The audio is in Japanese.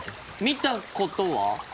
見たことは？